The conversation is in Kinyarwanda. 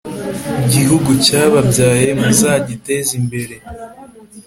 gihugu cyababyaye muzagiteze imbere